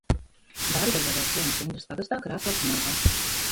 Dargeļeva ir ciems Indras pagastā, Krāslavas novadā.